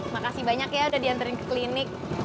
makasih banyak ya udah diantarin ke klinik